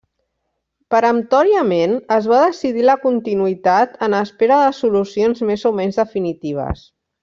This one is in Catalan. Peremptòriament es va decidir la continuïtat en espera de solucions més o menys definitives.